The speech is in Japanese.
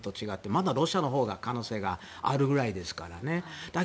まだロシアのほうが可能性があるぐらいですから。